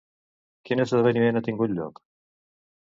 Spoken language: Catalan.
Quin esdeveniment ha tingut lloc?